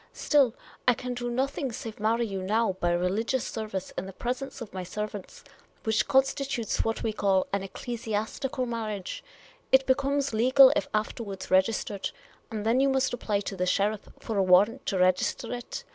Still, I can do nothing save marry you now by religious service in the presence of my servants — which constitutes what we call an ecclesiastical marriage — it becomes legal if afterwards registered ; and then you must apply to the sheriff for a warrant to register it.